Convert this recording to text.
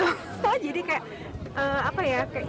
oh jadi kayak apa ya kayak jatuh